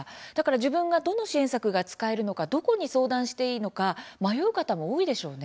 自分がどの支援策が使えるのかどこに相談したらいいのか迷う方も多いでしょうね。